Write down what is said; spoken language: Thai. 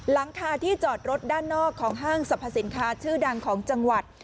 หลังคาที่จอดรถด้านนอกของห้างสรรพสินค้าชื่อดังของจังหวัด